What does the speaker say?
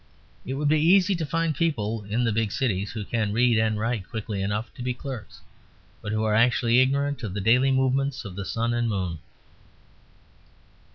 It would be easy to find people in the big cities who can read and write quickly enough to be clerks, but who are actually ignorant of the daily movements of the sun and moon.